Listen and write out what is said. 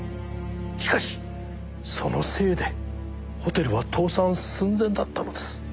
しかしそのせいでホテルは倒産寸前だったのです。